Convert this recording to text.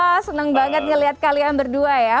wah seneng banget ngeliat kalian berdua ya